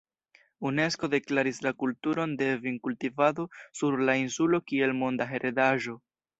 Unesko deklaris la kulturon de vinkultivado sur la insulo kiel monda heredaĵo.